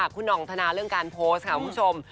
คุณห่องธนาเรื่องการโพสต์ค่ะคุณผู้ชม